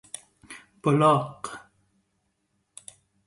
بلاغ